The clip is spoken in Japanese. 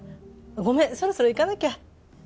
ごめんそろそろ行かなきゃ。